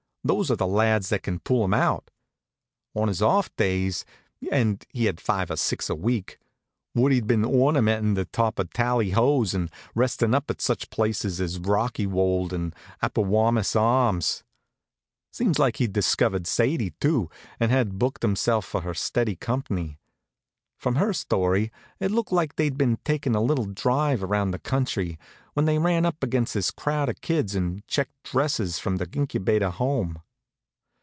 those are the lads that can pull 'em out. On his off days and he had five or six a week Woodie'd been ornamentin' the top of tally hos, and restin' up at such places as Rockywold and Apawamis Arms. Seems like he'd discovered Sadie, too, and had booked himself for her steady company. From her story it looked like they'd been takin' a little drive around the country, when they ran up against this crowd of kids in checked dresses from the Incubator home.